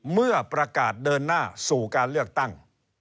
เมื่อประกาศเดินหน้าสู่การเลือกตั้ง